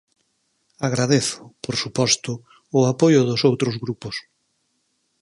Agradezo, por suposto, o apoio dos outros grupos.